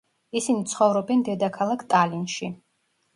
ისინი ცხოვრობენ დედაქალაქ ტალინში.